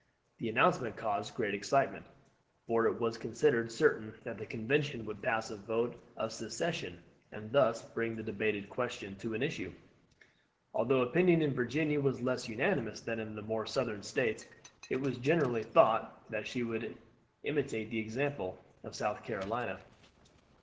The announcement caused great excitement, for it was considered certain that the convention would pass a vote of secession, and thus bring the debated question to an issue. Although opinion in Virginia was less unanimous than in the more southern States, it was generally thought that she would imitate the example of South Carolina.